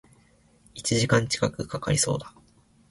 一時間近く掛かりそうだ